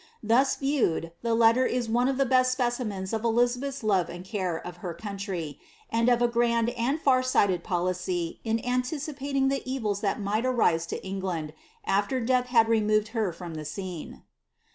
Thus viewed, the letter is one of the best specimens of Elizabeth's love and care of her country, and of a grand and far sighted policy in anticipating the evils that might arise to England, after death had removed her from the scene.